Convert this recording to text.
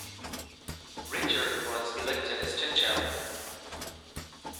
Richert was elected State Chairman.